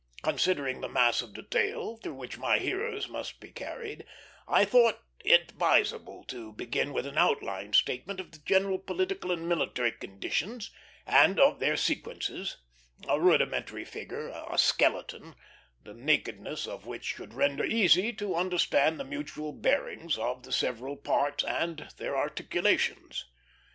Considering the mass of detail through which my hearers must be carried, I thought advisable to begin with an outline statement of the general political and military conditions, and of their sequences; a rudimentary figure, a skeleton, the nakedness of which should render easy to understand the mutual bearings of the several parts, and their articulations.